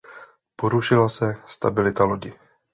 Porušila se stabilita lodi.